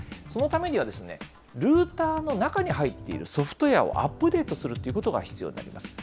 そのためには、ルーターの中に入っているソフトウエアをアップデートするということが必要になります。